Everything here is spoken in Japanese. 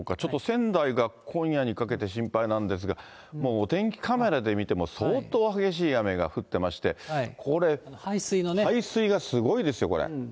仙台が今夜にかけて心配なんですが、もうお天気カメラで見ても、相当激しい雨が降っていまして、これ、排水がすごいですよ、これ。